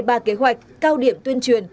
ba kế hoạch cao điểm tuyên truyền